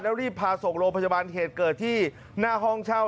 แล้วรีบพาส่งโรงพยาบาลเหตุเกิดที่หน้าห้องเช่า